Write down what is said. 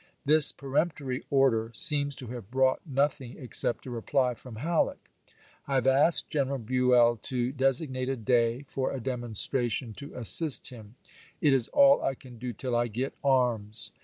This peremptory order p.'sss. ' seems to have brought nothing except a reply from Hauect Halleck: "I have asked General Buell to desig j^^^^ffe nate a day for a demonstration to assist him. It *™w!^r!^*'' is all I can do till I get arms."